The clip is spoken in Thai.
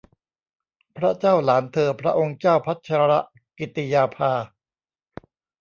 พระเจ้าหลานเธอพระองค์เจ้าพัชรกิติยาภา